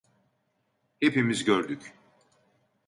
Hepimiz gördük.